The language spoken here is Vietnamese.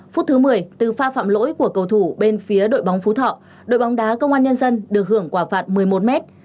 phút thứ một mươi từ pha phạm lỗi của cầu thủ bên phía đội bóng phú thọ đội bóng đá công an nhân dân được hưởng quả phạt một mươi một mét